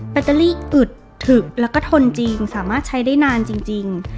แตลี่อึดถึกแล้วก็ทนจริงสามารถใช้ได้นานจริง